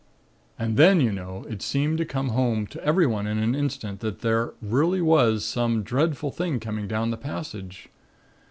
"And then, you know, it seemed to come home to everyone in an instant that there was really some dreadful thing coming down the passage.